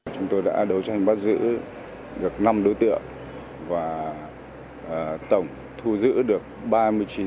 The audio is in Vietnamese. chúng tôi đã đấu tranh bắt giữ được năm đối tiện